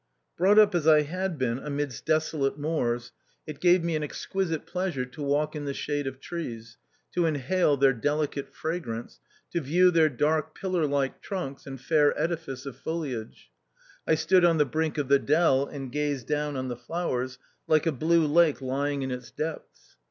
Brought up as I had been amidst desolate THE OUTCAST. 75 moors, it gave me an exquisite pleasure to walk in the shade of trees, to inhale their delicate fragrance, to view their dark pillar like trunks and fair edifice of foliasre. I O stood on the brink of the dell and gazed down on the flowers like a blue lake lying in its depths.